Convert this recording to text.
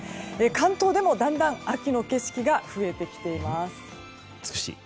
関東でも、だんだん秋の景色が増えてきています。